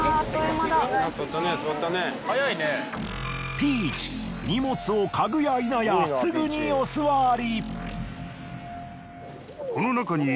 ピーチ荷物をかぐやいなやすぐにおすわり！